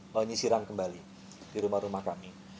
menyisiran kembali di rumah rumah kami